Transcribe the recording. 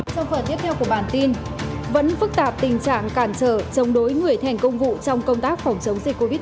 sau phần tiếp theo của bản tin vẫn phức tạp tình trạng cản trở chống đối người thành công vụ trong công tác phòng chống dịch covid một mươi chín